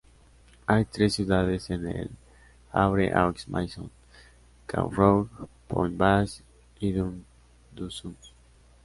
Hay tres ciudades en el Havre-aux-Maisons: Cap-Rouge, Pointe-Basse y Dune-du-Sud.